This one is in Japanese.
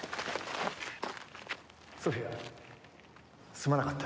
ソフィアすまなかった。